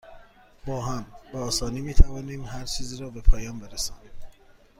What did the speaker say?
با هم، به آسانی می توانیم هرچیزی را به پایان برسانیم.